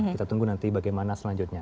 kita tunggu nanti bagaimana selanjutnya